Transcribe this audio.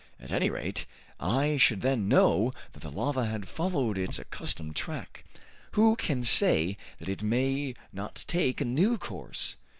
"At any rate, I should then know that the lava had followed its accustomed track. Who can say that it may not take a new course?